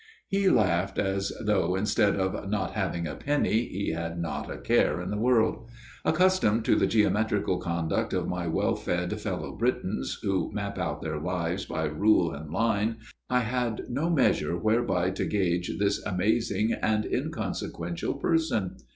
He laughed as though, instead of not having a penny, he had not a care in the world. Accustomed to the geometrical conduct of my well fed fellow Britons, who map out their lives by rule and line, I had no measure whereby to gauge this amazing and inconsequential person.